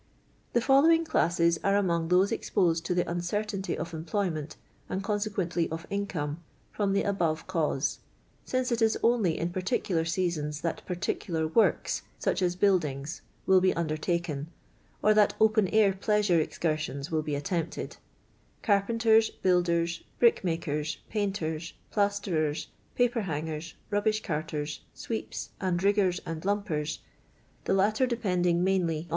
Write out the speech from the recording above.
The following classes are among those expti«ed to the nnceruiinty of employment, and conse quently of income, from the above cause. si::co it is only in particular seasons that particular works, such as buildings, will be undertaken, or that open air pleasure excursions will be attempted : carpenters, builders, brickmakers, painters, plas terers, paper hangers, rubbish carters, sweeps, and riggers and lumpers, the latter depending mainly THE MILKMAID'S GARLAND.